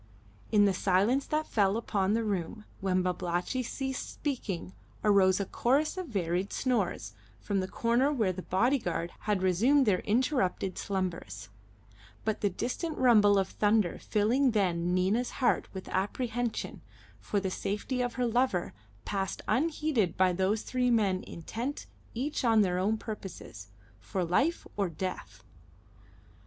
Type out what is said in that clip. In the silence that fell upon the room when Babalatchi ceased speaking arose a chorus of varied snores from the corner where the body guard had resumed their interrupted slumbers, but the distant rumble of thunder filling then Nina's heart with apprehension for the safety of her lover passed unheeded by those three men intent each on their own purposes, for life or death.